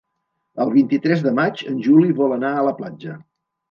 El vint-i-tres de maig en Juli vol anar a la platja.